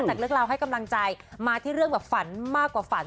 จากเรื่องราวให้กำลังใจมาที่เรื่องแบบฝันมากกว่าฝัน